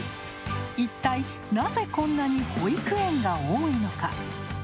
一体、なぜこんなに保育園が多いのか。